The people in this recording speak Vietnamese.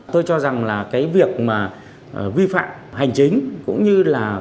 tôi cho rằng việc vi phạm hành chính cũng như vi phạm